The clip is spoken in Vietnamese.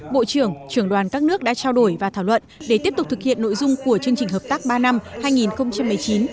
bộ trưởng trưởng đoàn các nước đã trao đổi và thảo luận để tiếp tục thực hiện nội dung của chương trình hợp tác ba năm